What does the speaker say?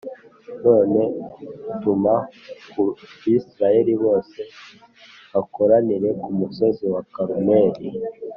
None tuma ku Bisirayeli bose bakoranire ku musozi wa Karumeli